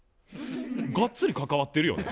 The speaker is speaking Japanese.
がっつり関わってるよね。